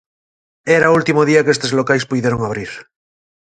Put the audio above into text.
Era o último día que estes locais puideron abrir.